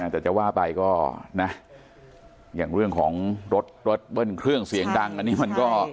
แต่จะว่าไปก็นะอย่างเรื่องของรถรถเบิ้ลเครื่องเสียงดังอันนี้มันก็